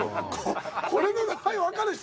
これの名前分かる人